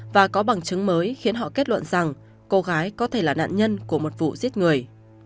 và có bằng chứng mới khiến họ kết luận rằng cô gái có thể là nạn nhân của một vụ giết người